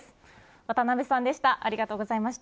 渡辺さんでした。